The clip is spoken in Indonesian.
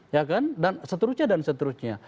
ya kan dan seterusnya dan seterusnya